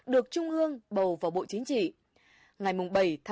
được trung ương bầu vào ban chấp hành trung ương đảng khóa một mươi hai